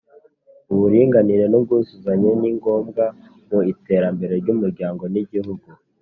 uburinganire n’ubwuzuzanye ni ngombwa mu iterambere ry’umuryango n’igihugu